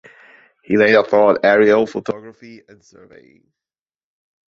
He later taught aerial photography and surveying.